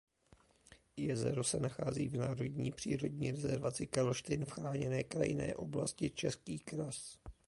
Jezero se nachází v národní přírodní rezervaci Karlštejn v chráněné krajinné oblasti Český kras.